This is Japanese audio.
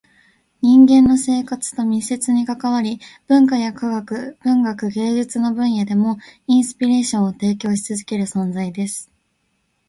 人間の生活と密接に関わり、文化や科学、文学、芸術の分野でもインスピレーションを提供し続ける存在です。